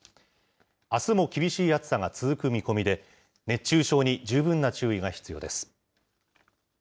あすも厳しい暑さが続く見込みで、熱中症に十分な注意が必要です。